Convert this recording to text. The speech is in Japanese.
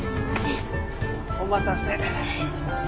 お待たせ。